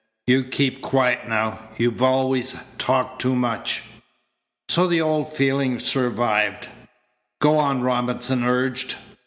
"You keep quiet now. You always talked too much." So the old feeling survived. "Go on," Robinson urged.